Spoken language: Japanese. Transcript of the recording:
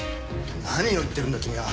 何を言ってるんだ君は。